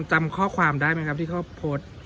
จำข้อความได้ไหมครับที่เขาโพสต์